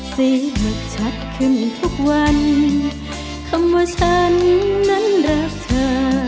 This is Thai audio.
เสียงมันชัดขึ้นทุกวันคำว่าฉันนั้นรักเธอ